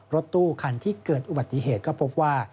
รถตู้คันที่เกิดอุบัติเหตุก็พบว่า